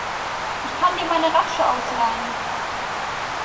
Ich kann dir meine Ratsche ausleihen.